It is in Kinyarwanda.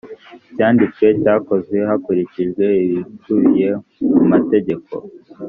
icyanditswe cyakozwe hakurikijwe ibikubiye mu mategeko